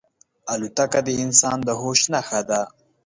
الوتکه د انسان د هوش نښه ده.